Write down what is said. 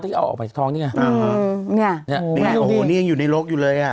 ถ้าเอาออกไปท้องเนี่ยโอ้โหนี่ยังอยู่ในรกอยู่เลยอ่ะ